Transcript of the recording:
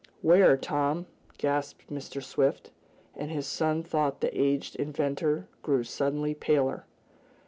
"Where, Tom?" gasped Mr. Swift, and his son thought the aged inventor grew suddenly paler.